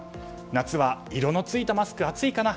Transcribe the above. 夏は、色のついたマスク暑いかな？